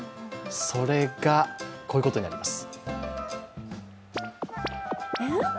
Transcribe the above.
それが、こういうことになります。